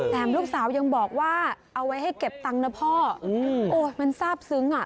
แต่ลูกสาวยังบอกว่าเอาไว้ให้เก็บตังค์นะพ่อโอ้ยมันทราบซึ้งอ่ะ